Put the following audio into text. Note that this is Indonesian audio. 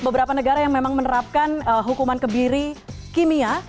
beberapa negara yang memang menerapkan hukuman kebiri kimia